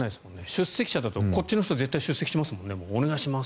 出席者だと、こっちの人絶対出席しますもんね。